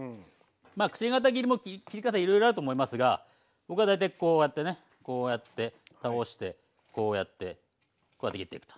まあくし形切りも切り方いろいろあると思いますが僕は大体こうやってねこうやって倒してこうやってこうやって切っていくと。